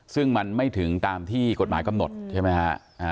ซึ่งมันไม่ถึงตามที่กฎหมายกำหนดใช่ไหมฮะ